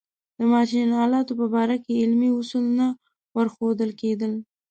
د ماشین آلاتو په باره کې علمي اصول نه ورښودل کېدل.